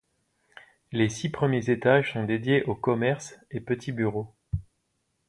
Les six premiers étages sont dédiés au commerce et petits bureaux.